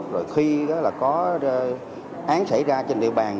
rồi khi có án xảy ra trên địa bàn